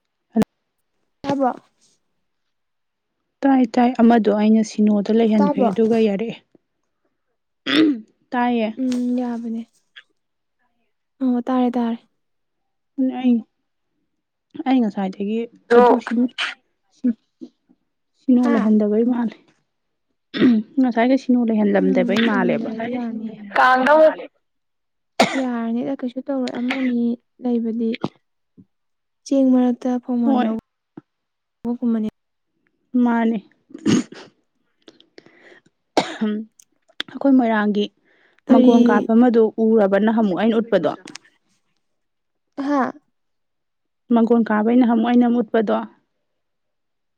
[unintelligible] ꯇꯥꯕ꯭ꯔꯣ ꯇꯥꯏ ꯇꯥꯏ ꯑꯃꯗꯣ ꯑꯩꯅ ꯁꯤꯅꯣꯗ ꯂꯩꯍꯟꯈ꯭ꯔꯦ ꯇꯥꯕ꯭ꯔꯣ ꯑꯗꯨꯒ ꯌꯥꯔꯛꯑꯦ ꯎꯝ ꯇꯥꯏꯌꯦ ꯎꯝ ꯌꯥꯕꯅꯦ ꯑꯣ ꯇꯥꯔꯦ ꯇꯥꯔꯦ ꯑꯗꯨꯅꯦ ꯑꯩ ꯑꯩ ꯉꯁꯥꯏꯗꯒꯤ ꯑꯗꯨ ꯁꯤꯝ ꯁꯤ ꯁꯤꯅꯣ ꯍꯥ ꯂꯩꯍꯟꯗꯕꯩ ꯃꯥꯜꯂꯦ ꯉꯁꯥꯏꯒꯩ ꯁꯤ ꯅꯣ ꯎꯝ ꯂꯩꯍꯜꯂꯝꯗꯕꯩ ꯀꯩꯅꯣ ꯃꯥꯜꯂꯦꯕ [unintelligible] ꯌꯥꯔꯅꯤꯗ ꯀꯩꯁꯨ ꯇꯧꯔꯣꯏ ꯑꯃꯅꯤ ꯂꯩꯕꯗꯤ ꯆꯦꯡ ꯃꯔꯛꯇ ꯐꯧꯃꯟ ꯍꯣꯏ ꯌꯥꯎ ꯕꯒꯨꯝꯕꯅꯦ ꯃꯥꯅꯦ ꯑꯈꯣꯏ ꯃꯣꯏꯔꯥꯡꯒꯤ ꯀꯔꯤ ꯃꯥꯡꯒꯣꯟ ꯀꯥꯞꯕ ꯑꯃꯗꯨ ꯎꯔꯕ ꯅꯍꯥꯟꯃꯨꯛ ꯑꯩꯅ ꯎꯠꯄꯗꯣ ꯍꯥꯥ ꯃꯪꯒꯣꯟ ꯀꯥꯕꯩ ꯅꯍꯥꯛꯃꯨꯛ ꯑꯩꯅ ꯑꯃ ꯎꯠꯄꯗꯣ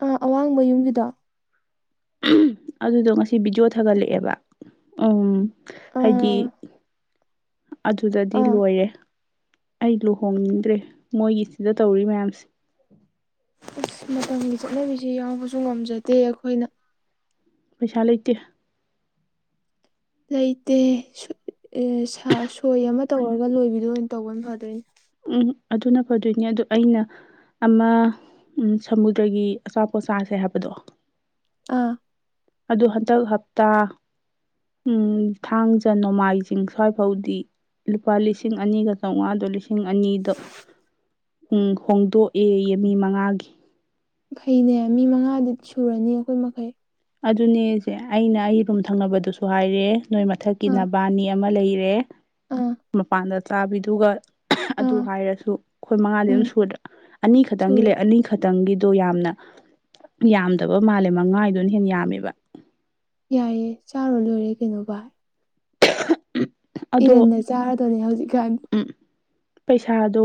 ꯑꯥ ꯑꯋꯥꯡꯕ ꯌꯨꯝꯒꯤꯗꯣ ꯑꯗꯨꯗꯣ ꯉꯁꯤ ꯚꯤꯗꯤꯑꯣ ꯊꯥꯒꯠꯂꯛꯑꯦꯕ ꯎꯝ ꯍꯥꯏꯗꯤ ꯑꯥ ꯑꯗꯨꯗꯗꯤ ꯑꯥ ꯂꯣꯏꯔꯦ ꯑꯩ ꯂꯨꯍꯣꯡꯅꯤꯡꯗ꯭ꯔꯦ ꯃꯣꯏꯒꯤꯁꯤꯗ ꯇꯧꯔꯤ ꯃꯌꯥꯝꯁꯦ ꯑꯁ ꯃꯇꯝꯒꯤ ꯆꯠꯅꯕꯤꯁꯦ ꯌꯥꯎꯕꯁꯨ ꯉꯝꯖꯗꯦ ꯑꯩꯈꯣꯏꯅ ꯄꯩꯁꯥ ꯂꯩꯇꯦ ꯂꯩꯇꯦ ꯁꯨꯠ ꯑꯦ ꯁꯥ ꯁꯣꯏ ꯑꯃ ꯇꯧꯔꯒ ꯂꯣꯏꯕꯤꯗꯣ ꯑꯣꯏꯅ ꯇꯧꯕꯅ ꯐꯗꯣꯏꯅꯦ ꯎꯝ ꯑꯗꯨꯅ ꯐꯗꯣꯏꯅꯦ ꯑꯗꯨ ꯑꯩꯅ ꯑꯃ ꯎꯝ ꯁꯃꯨꯗ꯭ꯔꯒꯤ ꯑꯆꯥꯄꯣꯠ ꯆꯥꯁꯦ ꯍꯥꯏꯕꯗꯣ ꯑꯥ ꯑꯗꯨ ꯍꯟꯇꯛ ꯍꯞꯇꯥ ꯎꯝ ꯊꯥꯡꯖ ꯅꯣꯡꯃꯥꯏꯖꯤꯡ ꯁ꯭ꯋꯥꯏꯐꯥꯎꯗꯤ ꯂꯨꯄꯥ ꯂꯤꯁꯤꯡ ꯑꯅꯤꯒ ꯆꯧꯉꯥꯗꯣ ꯂꯤꯁꯤꯡ ꯑꯅꯤꯗ ꯎꯝ ꯍꯣꯡꯗꯣꯛꯑꯦꯌꯦ ꯃꯤ ꯃꯉꯥꯒꯤ ꯐꯩꯅꯦ ꯃꯤ ꯃꯉꯥꯗꯤ ꯁꯨꯔꯅꯤ ꯑꯩꯈꯣꯏ ꯃꯈꯩ ꯑꯗꯨꯅꯦꯁꯦ ꯑꯩꯅ ꯑꯩ ꯔꯨꯝ ꯊꯪꯅꯕꯗꯨꯁꯨ ꯍꯥꯏꯔꯦ ꯅꯣꯏ ꯃꯊꯛꯀꯤ ꯑꯥ ꯅꯕꯥꯅꯤ ꯑꯃ ꯂꯩꯔꯦ ꯑꯥ ꯃꯄꯥꯟꯗ ꯆꯥꯕꯤꯗꯨꯒ ꯑꯗꯨ ꯑꯥ ꯍꯥꯏꯔꯁꯨ ꯑꯩꯈꯣꯏ ꯃꯉꯥꯗꯤ ꯑꯗꯨꯝ ꯎꯝ ꯁꯨꯗ꯭ꯔꯥ ꯑꯅꯤ ꯈꯛꯇꯪꯒꯤ ꯁꯨꯔꯦ ꯂꯩ ꯑꯅꯤꯈꯛ ꯈꯇꯪꯒꯤꯗꯣ ꯌꯥꯝꯅ ꯌꯥꯝꯗꯕ ꯃꯥꯜꯂꯦ ꯃꯉꯥꯥꯏꯗꯨꯅ ꯍꯦꯟꯅ ꯌꯥꯝꯃꯦꯕ ꯌꯥꯏꯌꯦ ꯆꯥꯔꯨ ꯂꯣꯏꯔꯦ ꯀꯩꯅꯣ ꯚꯥꯏ ꯑꯗꯣ ꯏꯔꯟꯅ ꯆꯥꯔꯗꯣꯏꯅꯦ ꯍꯧꯖꯤꯛꯀꯥꯟ ꯎꯝ ꯄꯩꯁꯥꯗꯣ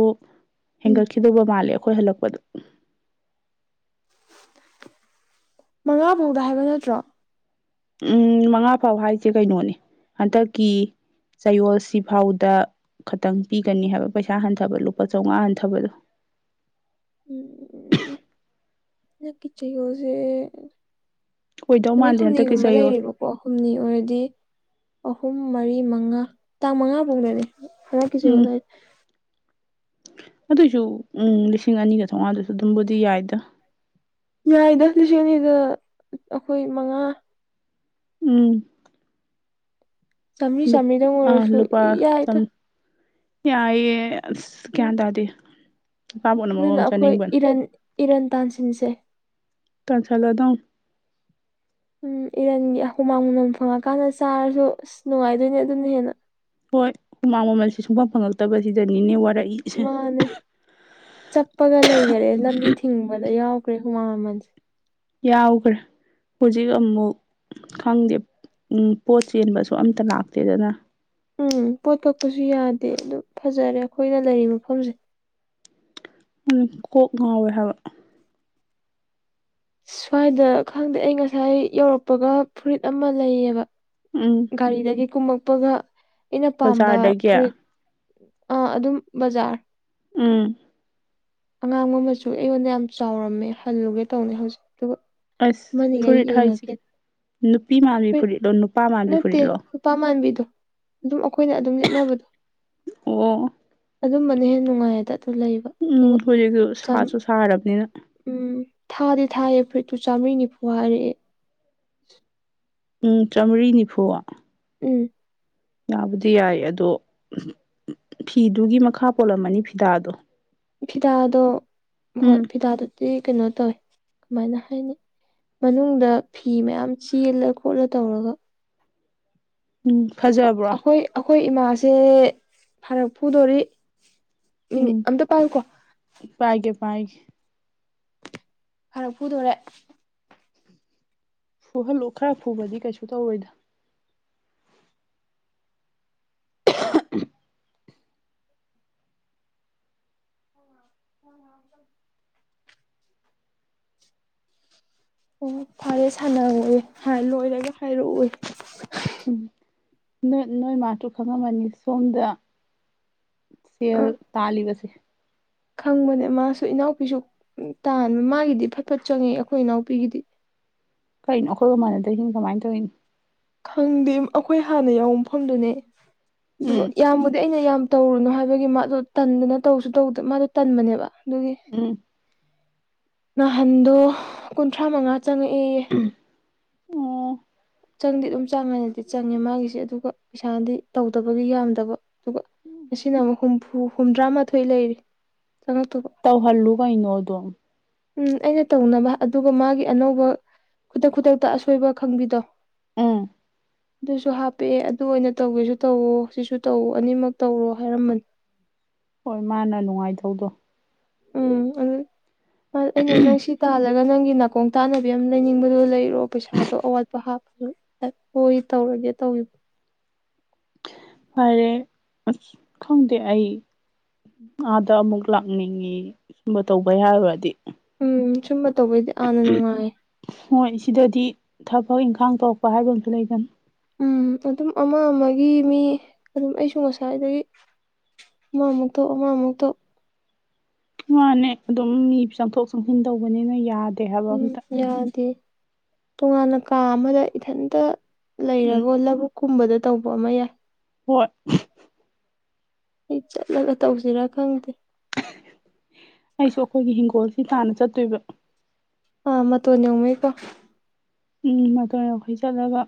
ꯎꯝ ꯍꯦꯟꯒꯠꯈꯤꯗꯧꯕ ꯃꯥꯜꯂꯦ ꯑꯩꯈꯣꯏ ꯍꯜꯂꯛꯄꯗ ꯃꯉꯥ ꯐꯥꯎꯗ ꯍꯥꯏꯕ ꯅꯠꯇ꯭ꯔꯣ ꯎꯝ ꯃꯉꯥ ꯐꯥꯎ ꯍꯥꯏꯁꯦ ꯀꯩꯅꯣꯅꯦ ꯍꯟꯇꯛꯀꯤ ꯆꯌꯣꯜꯁꯤꯐꯥꯎꯗ ꯈꯇꯪ ꯄꯤꯒꯅꯤ ꯍꯥꯏꯕ ꯄꯩꯁꯥ ꯍꯟꯊꯕ ꯂꯨꯄꯥ ꯆꯧꯉꯥ ꯍꯟꯊꯕꯗꯣ ꯎꯝ ꯍꯟꯗꯛꯀꯤ ꯆꯌꯣꯜꯁꯦ ꯑꯣꯏꯗꯧ ꯅꯨꯃꯤꯠ ꯃꯥꯟꯗꯦ ꯍꯟꯗꯛꯀꯤ ꯍꯨꯝꯅꯤꯒꯨꯝꯕ ꯆꯌꯣꯜ ꯂꯩꯔꯤꯕꯣ ꯄ ꯍꯨꯝꯅꯤ ꯑꯣꯏꯔꯗꯤ ꯑꯍꯨꯝ ꯃꯔꯤ ꯃꯉꯥ ꯇꯥꯡ ꯃꯉꯥꯕꯧꯗꯅꯤ ꯍꯟꯗꯛꯀꯤ ꯆꯌꯣꯜ ꯎꯝ [unintelligible] ꯑꯗꯨꯏꯁꯨ ꯎꯝ ꯂꯤꯁꯤꯡ ꯑꯅꯤꯒ ꯆꯧꯉꯥꯗꯨꯁꯨ ꯑꯗꯨꯝꯕꯨꯗꯤ ꯌꯥꯏꯗ ꯌꯥꯏꯗ ꯂꯤꯁꯤꯡ ꯑꯅꯤꯗ ꯑꯩꯈꯣꯏ ꯃꯉꯥ ꯎꯝ ꯆꯥꯝꯃꯔꯤ ꯂꯨꯞ ꯆꯥꯝꯃꯔꯤꯗꯪ ꯑꯥ ꯑꯣꯏꯔꯁꯨ ꯂꯨꯄꯥ ꯌꯥꯏꯗ ꯆꯪ ꯌꯥꯏꯌꯦ ꯑꯁ ꯎꯝ ꯒ꯭ꯌꯥꯟ ꯇꯥꯗꯦ ꯑꯆꯥꯄꯣꯠꯅ ꯃꯔꯣꯝ ꯑꯗꯨꯅ ꯑꯃ ꯑꯩꯈꯣꯏ ꯆꯥꯅꯤꯡꯕꯅ ꯏꯔꯟ ꯏꯔꯟ ꯇꯥꯟꯁꯤꯟꯁꯦ ꯇꯥꯟꯁꯤꯟꯂꯥꯗꯧꯅꯤ ꯎꯝ ꯏꯔꯟꯒꯤ ꯍꯨꯃꯥꯡ ꯃꯃꯜ ꯐꯪꯉꯛꯀꯥꯟꯗ ꯆꯥꯔꯁꯨ ꯑꯁ ꯅꯨꯡꯉꯥꯏꯗꯣꯏꯅꯦ ꯑꯗꯨꯅ ꯍꯦꯟꯅ ꯍꯣꯏ ꯍꯨꯃꯥꯡ ꯃꯃꯜꯁꯦ ꯁꯨꯡꯐꯪ ꯐꯪꯉꯛꯇꯕꯁꯤꯗꯅꯤꯅꯦ ꯋꯥꯔꯛꯏ ꯃꯥꯅꯦ ꯆꯞꯄꯒ ꯂꯩꯒꯔꯦ ꯂꯝꯕꯤ ꯊꯤꯡꯕꯗ ꯌꯥꯎꯈ꯭ꯔꯦ ꯍꯨꯃꯥꯡ ꯃꯃꯜꯁꯦ ꯌꯥꯎꯒ꯭ꯔꯦ ꯍꯧꯖꯤꯛ ꯑꯃꯨꯛ ꯈꯪꯗꯦ ꯎꯝ ꯄꯣꯠ ꯆꯦꯟꯕꯁꯨ ꯑꯝꯇ ꯂꯥꯛꯇꯦꯗꯅꯥ ꯎꯝ ꯄꯣꯠ ꯀꯛꯄꯁꯨ ꯌꯥꯗꯦ ꯑꯗꯨ ꯐꯖꯔꯦ ꯑꯩꯈꯣꯏꯅ ꯂꯩꯔꯤ ꯃꯐꯝꯁꯦ ꯎꯝ ꯀꯣꯛ ꯉꯥꯎꯋꯦ ꯍꯥꯏꯕ ꯁ꯭ꯋꯥꯏꯗ ꯈꯪꯗꯦ ꯑꯩ ꯉꯁꯥꯏ ꯌꯧꯔꯛꯄꯒ ꯐꯨꯔꯤꯠ ꯑꯃ ꯂꯩꯌꯦꯕ ꯎꯝ ꯒꯥꯔꯤꯗꯒꯤ ꯀꯨꯝꯃꯛꯄꯒ ꯑꯩꯅ ꯄꯥꯝꯕ ꯕꯖꯥꯔꯗꯒꯤ ꯐꯨꯔꯤꯠ꯫ ꯑꯥ ꯑꯗꯨꯝ ꯕꯖꯥꯔ꯫ ꯎꯝ ꯑꯉꯥꯡꯕ ꯃꯆꯨ ꯑꯩꯉꯣꯟꯗ ꯌꯥꯝ ꯆꯥꯎꯔꯝꯃꯦ ꯍꯜꯂꯨꯒꯦ ꯇꯧꯅꯤ ꯍꯧꯖꯤꯛ ꯑꯗꯨꯒ ꯑꯁ ꯑꯃꯅꯤꯈꯩ ꯐꯨꯔꯤꯠ ꯍꯥꯏꯁꯦ ꯌꯦꯡꯉꯛꯀꯦ ꯅꯨꯄꯤ ꯃꯥꯥꯟꯕꯤ ꯐꯨꯔꯤꯠꯂꯣ ꯅꯨꯄꯥ ꯃꯥꯟꯕꯤ ꯐꯨꯔꯤꯠꯂꯣ꯫ ꯄꯥ ꯃꯥꯟꯕꯤꯗꯣ ꯑꯗꯨꯝ ꯑꯩꯈꯣꯏꯅ ꯑꯗꯨꯝ ꯂꯤꯠꯅꯕꯗꯣ꯫ ꯑꯣ꯫ ꯑꯗꯨꯝꯕꯅ ꯍꯦꯟꯅ ꯅꯨꯡꯉꯥꯏꯌꯦꯗ ꯑꯗꯨ ꯂꯩꯕ꯫ ꯑꯗꯨꯒ ꯍꯧꯖꯤꯛꯁꯨ ꯁꯥꯁꯨ ꯁꯥꯔꯕꯅꯤꯅ꯫ ꯊꯥꯗꯤ ꯊꯥꯌꯦ ꯐꯨꯔꯤꯠꯇꯨ ꯆꯥꯝꯃ꯭ꯔꯤꯅꯤꯐꯨ ꯍꯥꯏꯔꯛꯑꯦ꯫ ꯆꯥꯝꯃ꯭ꯔꯤ ꯅꯤꯐꯨ꯫ ꯎꯝ ꯌꯥꯕꯨꯗꯤ ꯌꯥꯏ ꯑꯗꯣ ꯐꯤꯗꯨꯒꯤ ꯃꯈꯥ ꯄꯣꯜꯂꯝꯃꯅꯤ ꯐꯤꯇꯥꯗꯣ꯫ ꯐꯤꯗꯥꯗꯣ ꯍꯣꯏ ꯎꯝ ꯐꯤꯗꯥꯗꯨꯗꯤ ꯀꯩꯅꯣ ꯇꯧꯋꯤ ꯀꯃꯥꯏꯅ ꯍꯥꯏꯅꯤ꯫ ꯃꯅꯨꯡꯗ ꯐꯤ ꯃꯌꯥꯝ ꯆꯦꯜꯂ ꯈꯣꯠꯂ ꯇꯧꯔꯒ꯫ ꯎꯝ ꯆ ꯐꯖꯕ꯭ꯔꯣ ꯑꯈꯣꯏ ꯑꯈꯣꯏ ꯏꯃꯥꯁꯦ ꯐꯔꯛ ꯐꯨꯗꯣꯔꯤ꯫ ꯃꯤꯅꯤꯠ ꯑꯝꯇ ꯄꯥꯏꯌꯨꯀꯣ꯫ ꯄꯥꯏꯒꯦ-ꯄꯥꯏꯒꯦ꯫ ꯐꯔꯛ ꯐꯨꯗꯣꯔꯦ꯫ ꯐꯨꯍꯜꯂꯨ ꯈꯔꯥ ꯐꯨꯕꯗꯤ ꯀꯩꯁꯨ ꯇꯧꯔꯣꯏꯗ꯫ [unintelligible] ꯑꯣ ꯐꯔꯦ ꯁꯥꯟꯅꯔꯣꯋꯦ ꯍꯥꯏ ꯂꯣꯏꯔꯒ ꯍꯥꯏꯔꯛꯑꯣꯌꯦ꯫ ꯎꯝ ꯅꯣꯏ ꯅꯣꯏ ꯃꯥꯁꯨ ꯈꯪꯉꯝꯃꯅꯤ ꯁꯣꯝꯗ ꯁꯦꯜ ꯑꯥ ꯇꯥꯜꯂꯤꯕꯁꯦ꯫ ꯈꯪꯕꯅꯦ ꯃꯥꯁꯨ ꯏꯅꯥꯎꯄꯤꯁꯨ ꯇꯥꯟꯕ ꯃꯥꯒꯤꯗꯤ ꯐꯠ ꯐꯠ ꯆꯪꯉꯛꯑꯦ ꯑꯩꯈꯣꯏ ꯏꯅꯥꯎꯄꯤꯒꯤꯗꯤ꯫ ꯀꯩꯅꯣ ꯑꯩꯈꯣꯏꯒ ꯃꯥꯟꯅꯗꯩꯁꯤꯅ ꯀꯃꯥꯏꯅ ꯇꯧꯋꯤꯅꯣ꯫ ꯈꯪꯗꯦ ꯑꯈꯣꯏ ꯍꯥꯟꯅ ꯌꯥꯎꯕ ꯃꯐꯝꯗꯨꯅꯦ ꯑꯗꯨꯒ ꯎꯝ ꯌꯥꯝꯕꯨꯗꯤ ꯑꯩꯅ ꯌꯥꯝ ꯇꯧꯔꯨꯅꯨ ꯍꯥꯏꯕꯒꯤ ꯃꯥꯗꯣ ꯇꯟꯗꯅ ꯇꯧꯁꯨ ꯇꯧꯗꯦ ꯃꯥꯗꯣ ꯇꯟꯕꯅꯦꯕ ꯑꯗꯨꯒꯤ꯫ ꯎꯝ ꯅꯍꯥꯟꯗꯣ ꯀꯨꯟꯊ꯭ꯔꯥ ꯃꯉꯥ ꯆꯪꯉꯛꯑꯦꯌꯦ꯫ ꯑꯣ꯫ ꯆꯪꯗꯤ ꯑꯗꯨꯝ ꯆꯥꯡ ꯅꯥꯏꯅꯗꯤ ꯆꯪꯉꯦ ꯃꯥꯒꯤꯁꯦ ꯑꯗꯨꯒ ꯄꯩꯁꯥꯗꯤ ꯇꯧꯗꯕꯒꯤ ꯌꯥꯝꯗꯕ꯫ ꯑꯗꯨꯒ ꯉꯁꯤꯅ ꯑꯃꯨꯛ ꯍꯨꯝꯐꯨ ꯍꯨꯝꯗ꯭ꯔꯥꯃꯥꯊꯣꯏ ꯂꯩꯔꯤ ꯆꯪꯉꯛꯇꯨꯕ꯫ ꯇꯧꯍꯜꯂꯨ ꯀꯩꯅꯣꯗꯣ꯫ ꯎꯝ ꯑꯩꯅ ꯇꯧꯅꯕ ꯑꯗꯨꯒ ꯃꯥꯒꯤ ꯑꯅꯧꯕ ꯈꯨꯗꯛ ꯈꯨꯗꯛꯇ ꯑꯁꯣꯏꯕ ꯈꯪꯕꯤꯗꯣ꯫ ꯎꯝ ꯑꯗꯨꯁꯨ ꯍꯥꯞꯄꯛꯑꯦ ꯑꯗꯨ ꯑꯣꯏꯅ ꯇꯧꯒꯦꯁꯨ ꯇꯧꯋꯣ ꯁꯤꯁꯨ ꯇꯧ ꯑꯅꯤꯃꯛ ꯇꯧꯔꯣ ꯍꯥꯏꯔꯝꯕꯅꯦ꯫ ꯍꯣꯏ ꯃꯥꯅ ꯅꯨꯡꯉꯥꯏꯗꯧꯗꯣ꯫ ꯎꯝ ꯑꯗꯨ ꯑꯥ ꯑꯩꯅ ꯅꯪꯁꯤ ꯇꯥꯜꯂꯒ ꯅꯪꯒꯤ ꯅꯥꯀꯣꯡ ꯇꯥꯅꯕꯤ ꯑꯃ ꯂꯩꯅꯤꯡꯕꯗꯣ ꯂꯩꯔꯣ ꯄꯩꯁꯥꯗꯣ ꯑꯋꯥꯠꯄ ꯍꯥꯞꯄꯣ꯫ ꯍꯣꯏ ꯇꯧꯔꯒꯦ ꯇꯧꯒꯤ꯫ ꯐꯔꯦ ꯑꯁ ꯈꯪꯗꯦ ꯑꯩ꯫ ꯑꯥꯗ ꯑꯃꯨꯛ ꯂꯥꯛꯅꯤꯡꯉꯦ ꯁꯨꯝꯕ ꯇꯧꯕꯩ ꯍꯥꯏꯔꯨꯔꯗꯤ꯫ ꯎꯝ ꯁꯨꯝꯕ ꯇꯧꯕꯩꯗꯤ ꯑꯥꯅ ꯅꯨꯡꯉꯥꯏꯌꯦ꯫ ꯍꯣꯏ ꯁꯤꯗꯗꯤ ꯊꯕꯛ ꯏꯪꯈꯥꯡ ꯇꯧꯔꯛꯄ ꯍꯥꯏꯕ ꯑꯃꯁꯨ ꯂꯩꯗꯅ꯫ ꯎꯝ ꯑꯗꯨꯝ ꯑꯃ ꯑꯃꯒꯤ ꯃꯤ ꯑꯗꯨꯝ ꯑꯩꯁꯨ ꯉꯁꯥꯏꯗꯒꯤ ꯑꯃ ꯑꯃꯨꯛ ꯇꯧ ꯑꯃ ꯑꯃꯨꯛ ꯇꯧ ꯃꯥꯅꯦ ꯑꯗꯨꯝ ꯃꯤ ꯆꯪꯊꯣꯛ ꯆꯪꯁꯤꯟ ꯇꯧꯕꯅꯤꯅ ꯌꯥꯗ ꯎꯝ ꯌꯥꯗꯦ ꯇꯣꯉꯥꯟꯅ ꯀꯥ ꯑꯃꯗ ꯏꯊꯟꯇ ꯎꯝ ꯂꯩꯔꯒ ꯂꯕꯨꯛ ꯀꯨꯝꯕꯗ ꯇꯧꯕ ꯑꯃ ꯌꯥꯏ ꯍꯣꯏ [unintelligible] ꯑꯩ ꯆꯠꯂꯒ ꯇꯧꯁꯤꯔꯥ ꯈꯪꯗꯦ ꯑꯩꯁꯨ ꯑꯈꯣꯏꯒꯤ ꯍꯤꯡꯒꯣꯜꯁꯤ ꯇꯥꯟꯅ ꯆꯠꯇꯣꯏꯕ ꯑꯥ ꯃꯇꯣꯌꯧꯅꯩꯀꯣ ꯎꯝ ꯃꯇꯣꯟ ꯌꯧꯈꯩ ꯆꯠꯂꯒ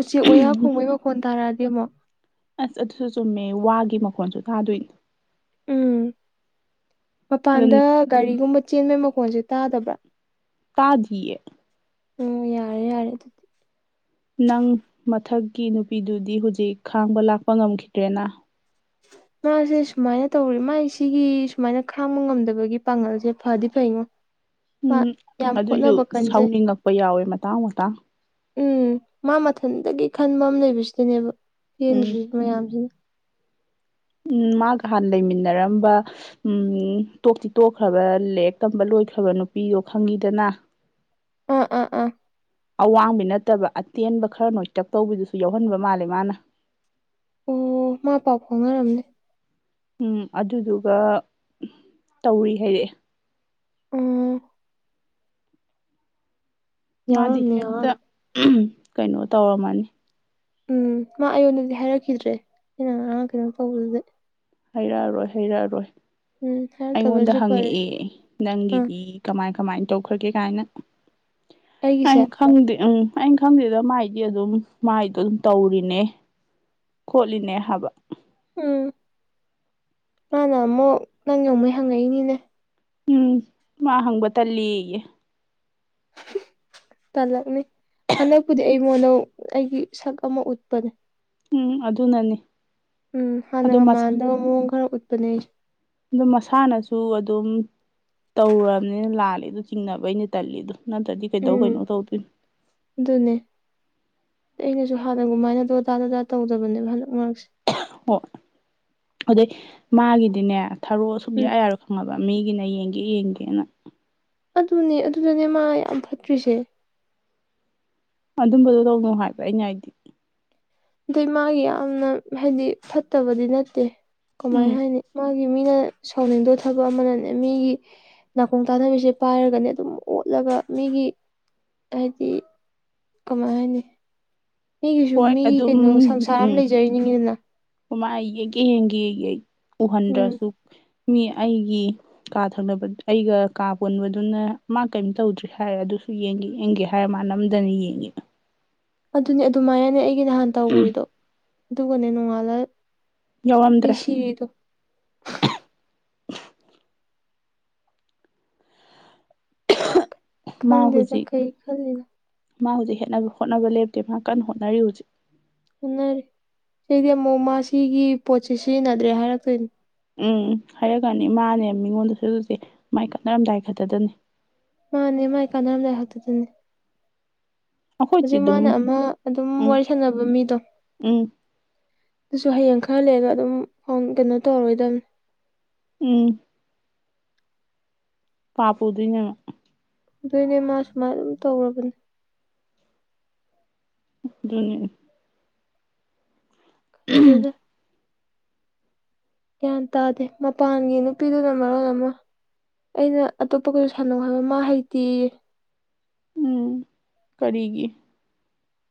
ꯎꯆꯦꯛ ꯑꯣꯌꯥ ꯈꯣꯡꯕꯩ ꯃꯈꯣꯟ ꯇꯥꯔꯛꯑꯗꯤ ꯑꯃꯨꯛ ꯑꯁ ꯑꯗꯨꯁꯨ ꯆꯨꯝꯃꯦ ꯋꯥꯒꯤ ꯃꯈꯣꯟꯁꯨ ꯊꯥꯗꯣꯏꯅꯦ ꯎꯝ ꯑꯗꯨꯝ ꯃꯄꯥꯟꯗ ꯒꯥꯔꯤꯒꯨꯝꯕ ꯆꯦꯟꯕꯒꯤ ꯃꯈꯣꯟꯁꯦ ꯇꯥꯗꯕ꯭ꯔꯥ ꯇꯥꯗꯤꯌꯦ ꯎꯝ ꯌꯥꯔꯦ ꯌꯥꯔꯦ ꯑꯗꯨꯗꯤ ꯅꯪ ꯃꯊꯛꯀꯤ ꯅꯨꯄꯤꯗꯨꯗꯤ ꯍꯨꯖꯤꯛ ꯈꯥꯡꯕ ꯂꯥꯛꯄ ꯉꯝꯈꯤꯗ꯭ꯔꯦꯅ ꯃꯥꯁꯦ ꯁꯨꯃꯥꯏꯅ ꯇꯧꯔꯦ ꯃꯥꯥꯏ ꯁꯤꯒꯤ ꯁꯨꯃꯥꯏꯅ ꯈꯥꯡꯕ ꯉꯝꯗꯕꯒꯤ ꯄꯥꯡꯒꯜꯁꯦ ꯐꯗꯤ ꯐꯩꯉꯣ ꯃꯥ ꯎꯝ ꯌꯥꯝ ꯑꯗꯨꯏꯁꯨ ꯍꯣꯠꯅꯕ ꯀꯟꯖꯩ ꯁꯥꯎꯅꯤꯡꯉꯛꯄ ꯌꯥꯎꯋꯦ ꯃꯇꯥꯡ ꯃꯇꯥꯡ ꯎꯝ ꯃꯥ ꯃꯊꯟꯗꯒꯤ ꯈꯟꯕ ꯑꯃ ꯂꯩꯕꯁꯤꯗꯅꯦꯕ ꯎꯝ ꯄꯦꯟꯗ꯭ꯔꯤ ꯃꯌꯥꯝꯁꯤꯅ ꯎꯝ ꯃꯥꯒ ꯍꯥꯟꯅ ꯂꯩꯃꯤꯟꯅꯔꯝꯕ ꯎꯝ ꯇꯣꯛꯇꯤ ꯇꯣꯛꯈ꯭ꯔꯕ ꯂꯦꯛ ꯇꯝꯕ ꯂꯣꯏꯈ꯭ꯔꯕ ꯅꯨꯄꯤꯗꯣ ꯈꯪꯉꯤꯗꯅ ꯑꯥ ꯑꯥ ꯑꯥ ꯑꯋꯥꯡꯕꯤ ꯅꯠꯇꯕ ꯇꯦꯟꯕ ꯈꯔ ꯅꯣꯏꯇꯛ ꯇꯧꯕꯤꯗꯨꯁꯨ ꯌꯥꯎꯍꯟꯕ ꯃꯥꯜꯂꯦ ꯃꯥꯅ ꯑꯣ ꯃꯥ ꯄꯥꯎ ꯐꯥꯎꯅꯔꯝꯅꯤ ꯎꯝ ꯑꯗꯨꯗꯨꯒ ꯇꯧꯔꯤ ꯍꯥꯏꯔꯛꯑꯦ ꯑꯣ ꯃꯥꯗꯤ ꯌꯥꯎꯔꯝꯅꯦ ꯍꯦꯛꯇ ꯌꯥꯎꯔꯝꯅꯦ ꯀꯩꯅꯣ ꯇꯧꯔꯝꯃꯅꯤ ꯎꯝ ꯃꯥ ꯑꯩꯉꯣꯟꯗꯗꯤ ꯍꯥꯏꯔꯛꯈꯤꯗ꯭ꯔꯦ ꯑꯩꯅ ꯉꯔꯥꯡ ꯀꯩꯅꯣꯝ ꯇꯧꯕꯗꯨꯗꯩ ꯍꯩꯔꯛꯑꯔꯣꯏ ꯍꯩꯔꯛꯑꯔꯣꯏ ꯎꯝ ꯑꯩꯉꯣꯟꯗ ꯍꯥꯏꯔꯛꯇꯕꯅꯁꯨ ꯐꯔꯦ ꯍꯪꯉꯛꯑꯦ ꯑꯥ ꯅꯪꯒꯤꯗꯤ ꯀꯃꯥꯏ ꯀꯃꯥꯏ ꯇꯧꯈ꯭ꯔꯒꯦ ꯀꯥꯏꯅ ꯑꯩꯒꯤꯁꯦ ꯑꯩꯅ ꯈꯪꯗꯦ ꯎꯝ ꯑꯩꯅ ꯈꯪꯗꯦꯗ ꯃꯥꯏꯗꯤ ꯑꯗꯨꯝ ꯃꯥꯏꯗꯣ ꯑꯗꯨꯝ ꯇꯧꯔꯤꯅꯦ ꯈꯣꯠꯂꯤꯅꯦ ꯍꯥꯏꯕ ꯎꯝ ꯃꯥꯅ ꯑꯃꯨꯛ ꯅꯪ ꯌꯣꯡꯃꯩ ꯍꯪꯉꯛꯏꯅꯤꯅꯦ ꯎꯝ ꯃꯥ ꯍꯪꯕ ꯇꯜꯂꯦꯌꯦ ꯇꯜꯂꯛꯅꯤ ꯍꯟꯗꯛꯄꯨꯗꯤ ꯑꯩ ꯃꯣꯏꯗꯣ ꯑꯩꯒꯤ ꯁꯛ ꯑꯃ ꯎꯠꯄꯅꯦ ꯎꯝ ꯑꯗꯨꯅꯅꯤ ꯎꯝ ꯑꯗꯨꯝ ꯍꯥꯟꯅꯒ ꯃꯁꯥ ꯃꯥꯟꯗꯕ ꯃꯑꯣꯡ ꯈꯔ ꯎꯠꯄꯅꯦ ꯑꯩ ꯑꯗꯨ ꯃꯁꯥꯅꯁꯨ ꯑꯗꯨꯝ ꯇꯧꯔꯕꯅꯤꯅ ꯂꯥꯂꯦꯗꯨ ꯆꯤꯡꯅꯕꯩꯅꯤ ꯇꯜꯂꯤꯗꯨ ꯅꯠꯇ꯭ꯔꯗꯤ ꯀꯩꯗꯧ ꯎꯝ ꯀꯩꯅꯣ ꯇꯧꯗꯣꯏꯅꯣ ꯑꯗꯨꯅꯦ ꯑꯩꯅꯁꯨ ꯍꯥꯟꯅꯒꯨꯝꯃꯥꯏꯅ ꯗꯣꯗꯥ ꯗꯣꯗꯥ ꯇꯧꯗꯕꯅꯦꯕ ꯍꯟꯗꯛ ꯃꯔꯛꯁꯦ ꯍꯣ ꯑꯗꯩ ꯃꯥꯒꯤꯗꯤꯅꯦ ꯊꯔꯣ ꯎꯝ ꯁꯨꯨꯛꯌꯥ ꯌꯥꯔꯣꯢ ꯈꯪꯉꯕ ꯃꯤꯒꯤꯅ ꯌꯦꯡꯒꯦ ꯌꯦꯡꯒꯦꯅ ꯑꯗꯨꯅꯦ ꯑꯗꯨꯗꯅꯦ ꯃꯥ ꯌꯥꯝ ꯐꯠꯇ꯭ꯔꯤꯁꯦ ꯑꯗꯨꯝꯕꯗꯣ ꯇꯧꯅꯨ ꯍꯥꯏꯕ ꯑꯩꯩꯅ ꯍꯥꯢꯗꯤ ꯑꯗꯩ ꯃꯥꯒꯤ ꯌꯥꯝꯅ ꯍꯥꯏꯗꯤ ꯐꯠꯇꯕꯗꯤ ꯅꯠꯇꯦ ꯀꯃꯥꯏ ꯎꯝ ꯍꯥꯏꯅꯤ ꯃꯥꯒꯤ ꯃꯤꯅ ꯁꯥꯎꯅꯤꯡꯗꯣ ꯊꯕꯛ ꯑꯃꯅꯅꯦ ꯃꯤꯒꯤ ꯅꯥꯀꯣꯡ ꯇꯥꯅꯕꯤꯁꯦ ꯄꯥꯏꯔꯒꯅꯦ ꯑꯗꯨꯝ ꯑꯣꯠꯂꯒ ꯃꯤꯒꯤ ꯍꯥꯏꯗꯤ ꯀꯃꯥꯏ ꯍꯥꯏꯅꯤ ꯃꯤꯒꯤꯁꯨ ꯍꯣꯏ ꯃꯤꯒꯤ ꯑꯗꯨꯝ ꯀꯩꯅꯣ ꯁꯪꯁꯥꯔ ꯑꯃ ꯂꯩꯖꯔꯤꯅꯤꯡꯉꯤꯗꯅ ꯃꯥꯏ ꯌꯦꯡꯒꯦ ꯌꯦꯡꯒꯦꯌꯦ ꯎꯝ ꯎꯍꯟꯗ꯭ꯔꯁꯨ ꯃꯤ ꯑꯩꯒꯤ ꯀꯥ ꯊꯪꯅꯕ ꯑꯩꯒ ꯀꯥ ꯄꯨꯟꯕꯗꯨꯅ ꯃꯥ ꯀꯩꯝ ꯇꯧꯗ꯭ꯔꯤ ꯍꯥꯏ ꯑꯗꯨꯁꯨ ꯌꯦꯡꯒꯦ ꯌꯦꯡꯒꯦ ꯍꯥꯏꯔ ꯃꯥꯟꯅ ꯅꯝꯗꯅ ꯌꯦꯡꯉꯤꯕ ꯑꯗꯨꯅꯦ ꯑꯗꯨꯃꯥꯏꯅꯅꯦ ꯑꯩꯒꯤ ꯅꯍꯥꯟ ꯇꯧꯒ꯭ꯔꯤꯗꯣ ꯑꯗꯨꯒꯅꯦ ꯅꯣꯡꯉꯥꯜꯂ ꯑꯩ ꯌꯥꯎꯔꯝꯗ꯭ꯔꯦ ꯁꯤꯔꯤꯗꯨ ꯃꯥ ꯈꯪꯗꯦꯗ ꯍꯨꯖꯤꯛ ꯀꯩ ꯈꯜꯂꯤꯅꯣ ꯃꯥ ꯍꯨꯖꯤꯛ ꯍꯦꯠꯅꯕ ꯍꯣꯠꯅꯕ ꯂꯦꯞꯇꯦ ꯃꯥ ꯀꯟꯅ ꯍꯣꯠꯅꯔꯤ ꯍꯨꯖꯤꯛ ꯍꯣꯠꯅꯔꯤ ꯑꯗꯩꯗꯤ ꯑꯃꯨꯛ ꯃꯥ ꯁꯤꯒꯤ ꯄꯣꯠꯁꯤ ꯁꯤꯖꯤꯟꯅꯗ꯭ꯔꯦ ꯍꯥꯏꯔꯛꯇꯣꯏꯅꯤ ꯎꯝ ꯍꯥꯏꯔꯛꯀꯅꯤ ꯃꯥꯅꯦ ꯃꯤꯉꯣꯟꯗꯁꯨ ꯑꯗꯨꯁꯦ ꯃꯥꯏ ꯈꯠꯅꯔꯝꯗꯥꯏ ꯈꯛꯇꯗꯅꯤ ꯃꯥꯅꯦ ꯃꯥꯏ ꯀꯥꯟꯅꯔꯝꯗꯥꯏ ꯈꯛꯇꯗꯅꯦ ꯑꯩꯈꯣꯏꯗꯤ ꯍꯧꯖꯤꯛ ꯑꯗꯨꯝ ꯃꯥꯅ ꯑꯃ ꯑꯗꯨꯝ ꯎꯝ ꯋꯥꯔꯤ ꯁꯥꯟꯅꯕ ꯃꯤꯗꯣ ꯎꯝ ꯑꯗꯨꯁꯨ ꯍꯌꯦꯡ ꯈꯔ ꯂꯩꯔꯒ ꯑꯗꯨꯝ ꯍꯣꯡ ꯀꯩꯅꯣ ꯇꯧꯔꯣꯏꯗꯝꯅꯤ ꯎꯝ ꯄꯥꯞ ꯄꯨꯗꯣꯢꯅꯦ ꯃꯥ ꯄꯨꯗꯨꯏꯅꯦ ꯃꯥ ꯁꯨꯃꯥꯏꯅ ꯑꯗꯨꯝ ꯇꯧꯔꯕꯅꯦ ꯑꯗꯨꯅꯤ ꯈꯪꯗꯦꯗ ꯒ꯭ꯌꯥꯟ ꯇꯥꯗꯦ ꯃꯄꯥꯟꯒꯤ ꯅꯨꯄꯤꯗꯨꯅ ꯃꯔꯣꯜ ꯑꯃ ꯑꯩꯅ ꯑꯇꯣꯞꯄ ꯒꯁꯨ ꯁꯥꯟꯅꯧ ꯍꯥꯏꯕ ꯃꯥ ꯍꯩꯇꯦꯌꯦ ꯎꯝ ꯀꯔꯤꯒꯤ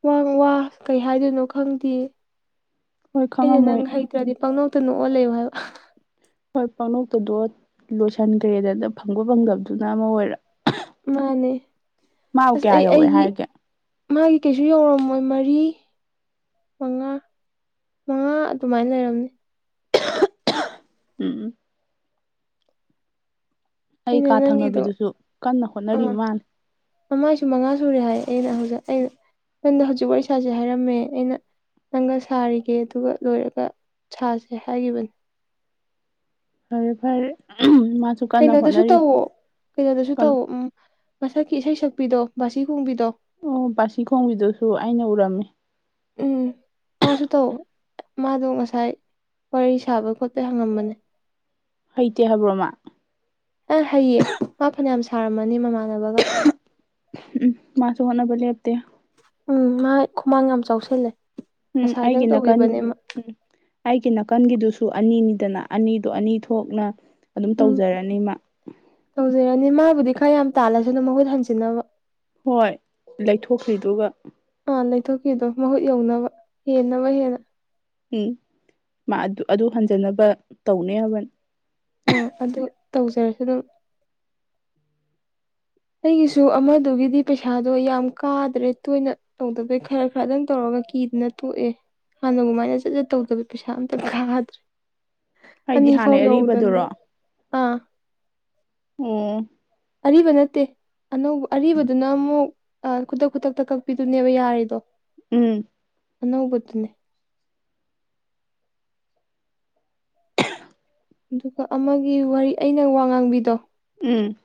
ꯋꯥ ꯋꯥ ꯀꯩ ꯍꯥꯏꯗꯣꯏꯅꯣ ꯈꯪꯗꯦꯌꯦ ꯍꯣꯏ ꯑꯩꯅ ꯈꯪꯉꯝꯃꯣꯏ ꯅꯪ ꯍꯩꯠ ꯍꯩꯇ꯭ꯔꯗꯤ ꯄꯥꯡꯅꯣꯛꯇ ꯅꯣꯛꯑ ꯂꯩꯌꯨ ꯍꯥꯏꯕ ꯍꯣꯏ ꯄꯡꯅꯣꯛꯇ ꯅꯣꯛꯑ ꯗꯣ ꯂꯣꯏꯁꯤꯟꯒ꯭ꯔꯦꯗꯅ ꯐꯪꯕ ꯐꯪꯗꯕꯗꯨꯅ ꯑꯃ ꯑꯣꯏꯔ ꯃꯥꯅꯦ ꯃꯥꯕꯨ ꯑꯁ ꯀꯌꯥ ꯑꯩ ꯌꯧꯔꯦ ꯑꯩꯒꯤ ꯍꯥꯏꯔꯒꯦ ꯃꯥꯒꯤ ꯀꯩꯁꯨ ꯌꯧꯔꯝꯃꯣꯏ ꯃꯔꯤ ꯃꯉꯥ ꯃꯉꯥ ꯑꯗꯨꯃꯥꯏꯟꯅ ꯂꯩꯔꯝꯅꯤ ꯎꯝ ꯎꯝ ꯑꯩ ꯑꯩꯅ ꯀꯥ ꯅꯪꯒꯤꯗꯣ ꯊꯪꯅꯕꯤꯗꯨꯁꯨ ꯀꯟꯅ ꯍꯣꯠꯅꯔꯤꯕꯥ ꯃꯥꯟꯅꯤ ꯃꯥꯏꯁꯨ ꯃꯉꯥ ꯁꯨꯔꯦ ꯍꯥꯏꯌꯦ ꯑꯩꯅ ꯍꯧꯖꯤꯛ ꯑꯩꯅ ꯅꯪꯗꯣ ꯍꯧꯖꯤꯛ ꯋꯥꯔꯤ ꯁꯥꯁꯦ ꯍꯥꯏꯔꯝꯃꯦ ꯑꯩꯅ ꯅꯪꯒꯥ ꯁꯥꯔꯤꯒꯦ ꯑꯗꯨꯒ ꯂꯣꯏꯔꯒ ꯁꯥꯁꯦ ꯍꯥꯏꯒꯤꯕꯅꯤ ꯐꯔꯦ ꯐꯔꯦ ꯎꯝ ꯃꯥꯁꯨ ꯀꯟꯅ ꯀꯩꯅꯣꯗꯁꯨ ꯍꯣꯠꯅꯔꯤ ꯇꯧꯑꯣ ꯀꯩꯅꯣꯗꯁꯨ ꯀꯩꯅꯣ ꯇꯧꯑꯣ ꯎꯝ ꯃꯊꯛꯀꯤ ꯏꯁꯩ ꯁꯛꯄꯤꯗꯣ ꯕꯥꯁꯤ ꯈꯣꯡꯕꯤꯗꯣ ꯑꯣ ꯕꯥꯁꯤ ꯈꯣꯡꯕꯤꯗꯨꯁꯨ ꯑꯩꯅꯥ ꯎꯔꯝꯃꯤ ꯎꯝ ꯃꯥꯁꯨ ꯇꯧ ꯃꯥꯗꯣ ꯉꯁꯥꯏ ꯋꯥꯔꯤ ꯁꯥꯕ ꯈꯣꯠꯄꯩ ꯍꯪꯉꯝꯕꯅꯦ ꯍꯩꯇꯦ ꯍꯥꯏꯕ꯭ꯔꯣ ꯃꯥ ꯑ ꯍꯩꯌꯦ ꯃꯥ ꯐꯅꯌꯥꯝ ꯁꯥꯔꯝꯃꯅꯤ ꯃꯃꯥꯟꯅꯕꯒ ꯎꯝ ꯃꯥꯁꯨ ꯍꯣꯠꯅꯕ ꯂꯦꯞꯇꯦ ꯎꯝ ꯃꯥ ꯈꯨꯃꯥꯡ ꯌꯥꯝ ꯆꯥꯎꯁꯤꯜꯂꯦ ꯎꯝ ꯑꯩꯒꯤ ꯅꯥꯀꯟ ꯎꯝ ꯑꯩꯒꯤ ꯅꯥꯀꯟꯒꯤꯗꯨꯁꯨ ꯑꯅꯤꯅꯤꯗꯅ ꯑꯅꯤꯗꯨꯣ ꯑꯅꯤ ꯊꯣꯛꯅ ꯑꯗꯨꯝ ꯎꯝ ꯇꯧꯖꯔꯅꯤ ꯃꯥ ꯇꯧꯖꯔꯅꯤ ꯃꯥꯕꯨꯗꯤ ꯈꯔ ꯌꯥꯝ ꯇꯥꯜꯂꯁꯨꯅꯨ ꯃꯍꯨꯠ ꯍꯟꯖꯤꯟꯅꯕ ꯍꯣꯏ ꯂꯩꯊꯣꯛꯈ꯭ꯔꯤꯗꯨꯒꯥ ꯑꯥ ꯂꯩꯊꯣꯛꯈꯤꯕꯗꯣ ꯃꯍꯨꯠ ꯌꯧꯅꯕ ꯍꯦꯟꯅꯕ ꯍꯦꯟꯅ ꯎꯝ ꯃꯥ ꯑꯗꯨ ꯑꯗꯨ ꯍꯟꯖꯅꯕ ꯇꯧꯅꯤ ꯍꯥꯏꯕꯅꯤ ꯑꯥ ꯑꯗꯨ ꯇꯧꯖꯔꯁꯅꯨ ꯑꯩꯒꯤꯁꯨ ꯑꯃꯗꯨꯒꯤꯗꯤ ꯄꯩꯁꯥꯗꯣ ꯌꯥꯝ ꯀꯥꯗ꯭ꯔꯦ ꯇꯣꯏꯅ ꯇꯧꯗꯕꯩ ꯈꯔ ꯈꯔꯗꯪ ꯇꯧꯔꯒ ꯀꯤꯗꯅ ꯇꯣꯛꯑꯦ ꯍꯥꯟꯅꯒꯨꯝꯃꯥꯏꯅ ꯆꯠ ꯆꯠ ꯇꯧꯗꯕꯩ ꯄꯩꯁꯥ ꯑꯝꯇ ꯀꯥꯗ꯭ꯔꯦ ꯍꯥꯏꯗꯤ ꯑꯅꯤ ꯐꯥꯎ ꯍꯥꯟꯅꯩ ꯌꯧꯗꯅ ꯑꯔꯤꯕꯗꯨꯔꯣ ꯑꯣ ꯑ ꯑꯦ ꯑꯔꯤꯕ ꯅꯠꯇꯦ ꯑꯅꯧꯕ ꯑꯔꯤꯕꯗꯨꯅ ꯑꯃꯨꯛ ꯑꯥ ꯈꯨꯗꯛ ꯈꯨꯗꯛꯇ ꯀꯛꯄꯤꯗꯨꯅꯦꯕ ꯌꯥꯔꯤꯗꯣ ꯎꯝ ꯑꯅꯧꯕꯗꯨꯅꯦ ꯑꯗꯨꯒ ꯑꯃꯒꯤ ꯋꯥꯔꯤ ꯑꯩꯅ ꯋꯥ ꯉꯥꯡꯕꯤꯗꯣ ꯎꯝ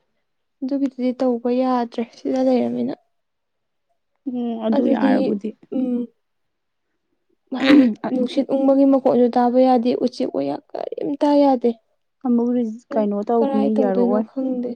ꯑꯗꯨꯒꯤꯗꯨꯗꯤ ꯇꯧꯕ ꯌꯥꯗ꯭ꯔꯦ ꯁꯤꯗ ꯂꯩꯔꯃꯤꯅ ꯎꯝ ꯑꯗꯨ ꯑꯗꯨꯗꯤ ꯌꯥꯔꯕꯨꯗꯤ ꯎꯝ ꯍꯥꯏꯗꯤ ꯅꯨꯡꯁꯤꯠ ꯎꯪꯕꯒꯤ ꯃꯈ ꯣꯂꯁꯨ ꯇꯥꯕ ꯌꯥꯗꯦ ꯎꯆꯦꯛ ꯋꯥ ꯀꯔꯤꯝꯇ ꯇꯥꯕ ꯌꯥꯗꯦ ꯑꯃꯨꯛ ꯀꯩꯅꯣ ꯀꯔꯥꯏ ꯇꯧꯈꯤꯅꯤ ꯇꯧꯗꯣꯏꯅꯣ ꯌꯥꯔꯛꯑꯣꯏ ꯈꯪꯗꯦ